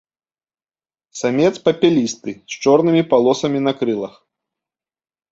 Самец папялісты, з чорнымі палосамі на крылах.